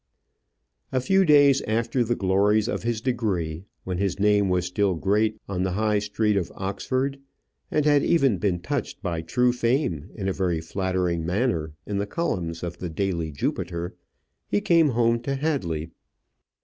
A few days after the glories of his degree, when his name was still great on the High Street of Oxford, and had even been touched by true fame in a very flattering manner in the columns of the "Daily Jupiter," he came home to Hadley.